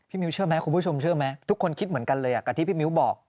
มิ้วเชื่อไหมคุณผู้ชมเชื่อไหมทุกคนคิดเหมือนกันเลยกับที่พี่มิ้วบอก